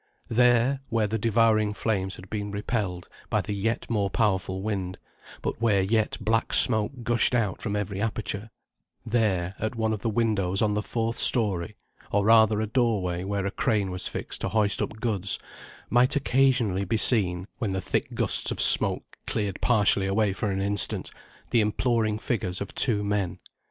There, where the devouring flames had been repelled by the yet more powerful wind, but where yet black smoke gushed out from every aperture, there, at one of the windows on the fourth story, or rather a doorway where a crane was fixed to hoist up goods, might occasionally be seen, when the thick gusts of smoke cleared partially away for an instant, the imploring figures of two men.